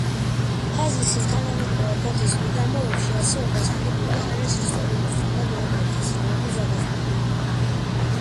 ფაზისის თანამედროვე ფოთის მიდამოებში არსებობას ანტიკური ხანის ისტორიკოსთან და გეოგრაფთა ცნობებიც ადასტურებენ.